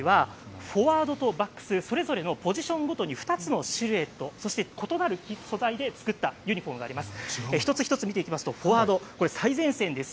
今回はフォワードとバックスそれぞれのポジションごとに２つのシルエットそして異なる素材で作ったユニフォームがあります。